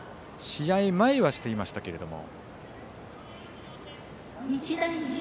試合前はしていましたけれども。